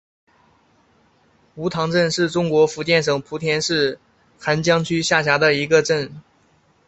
梧塘镇是中国福建省莆田市涵江区下辖的一个镇。